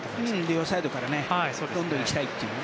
両サイドからどんどん行きたいという。